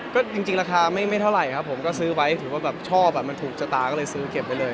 ก็จริงราคาไม่เท่าไหร่ครับผมก็ซื้อไว้ถือว่าแบบชอบมันถูกชะตาก็เลยซื้อเก็บไว้เลย